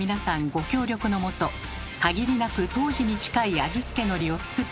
ご協力のもと限りなく当時に近い味付けのりを作って頂きました。